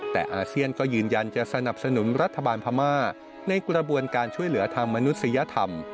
แต่อาเซียนก็ยืนยันจะสนับสนุนรัฐบาลพม่าในกระบวนการช่วยเหลือทางมนุษยธรรม